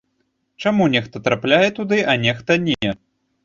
Чаму нехта трапляе туды, а нехта не?